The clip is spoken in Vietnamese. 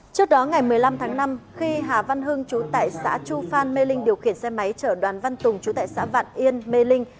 trước đó ngày một mươi năm tháng năm khi hà văn hưng chú tại xã chu phan mê linh điều khiển xe máy chở đoàn văn tùng chú tại xã vạn yên mê linh